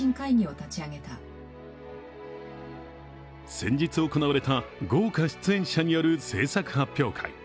先日行われた豪華出演者による制作発表会。